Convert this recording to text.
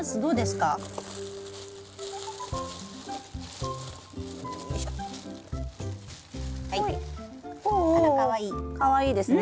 かわいいですね。